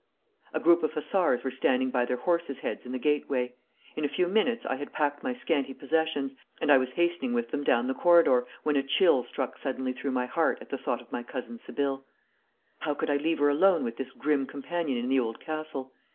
A group of hussars were standing by their horses' heads in the gateway. In a few minutes I had packed my scanty possessions, and I was hastening with them down the corridor when a chill struck suddenly through my heart at the thought of my cousin Sibylle. How could I leave her alone with this grim companion in the old castle?